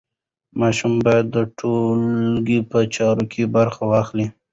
ماشوم باید د ټولګي په چارو کې برخه واخلي.